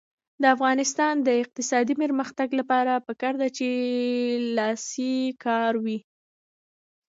د افغانستان د اقتصادي پرمختګ لپاره پکار ده چې لاسي کار وي.